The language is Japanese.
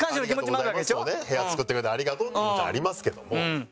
部屋を作ってくれてありがとうっていう気持ちありますけども。